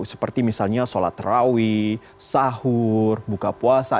seperti misalnya sholat terawih sahur buka puasa